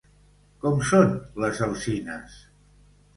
Com són les alzines?